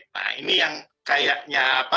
nah ini yang kayaknya